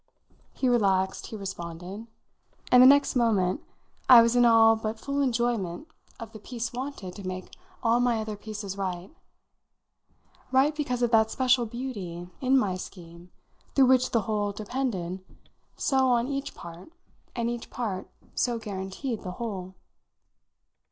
He relaxed, he responded, and the next moment I was in all but full enjoyment of the piece wanted to make all my other pieces right right because of that special beauty in my scheme through which the whole depended so on each part and each part so guaranteed the whole.